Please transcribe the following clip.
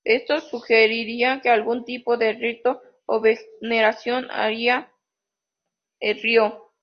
Esto sugeriría que algún tipo de rito o veneración hacia el río.